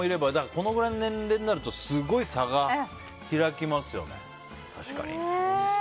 このくらいの年齢になるとすごい差が開きますよね。